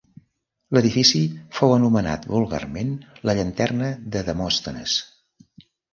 L'edifici fou anomenat vulgarment la llanterna de Demòstenes.